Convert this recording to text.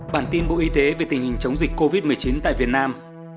bản tin bộ y tế về tình hình chống dịch covid một mươi chín tại việt nam